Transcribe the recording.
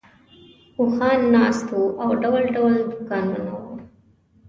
اوښان ناست وو او ډول ډول دوکانونه وو.